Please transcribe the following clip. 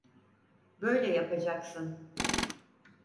Böyle yapacaksın.